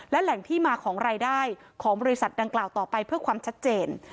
และแหล่งที่มาของรายได้ของบริษัทดังกล่าวต่อไปเพื่อความชัดเจน